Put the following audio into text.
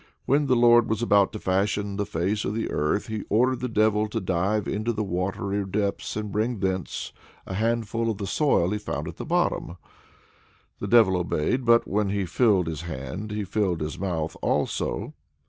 When the Lord was about to fashion the face of the earth, he ordered the Devil to dive into the watery depths and bring thence a handful of the soil he found at the bottom. The Devil obeyed, but when he filled his hand, he filled his mouth also.